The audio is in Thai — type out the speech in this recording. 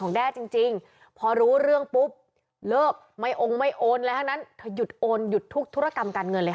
แด้จริงพอรู้เรื่องปุ๊บเลิกไม่องค์ไม่โอนอะไรทั้งนั้นเธอหยุดโอนหยุดทุกธุรกรรมการเงินเลยค่ะ